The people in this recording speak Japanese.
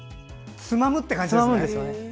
つまむってことですね。